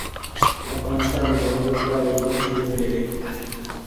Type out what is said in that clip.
افغانستان د زمرد په اړه علمي څېړنې لري.